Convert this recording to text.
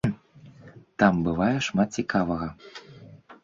Там бывае шмат цікавага.